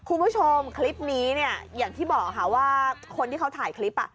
คุณผู้ชมคลิปนี้เนี่ยอย่างที่บอกค่ะว่าคนที่เขาถ่ายคลิป